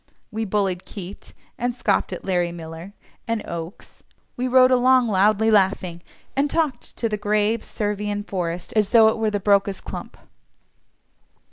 We bullied Keate, and scoffed at Larrey Miller, and Okes; we rode along loudly laughing, and talked to the grave Servian forest as though it were the "Brocas clump."